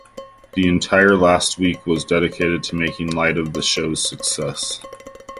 The entire last week was dedicated to making light of the show's "success".